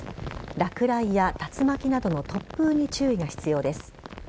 落雷や竜巻などの突風に注意が必要です。